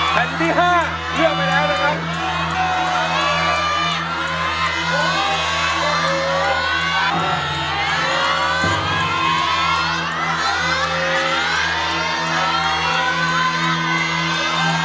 แผ่นที่๕เลือกไปแล้วนะครับ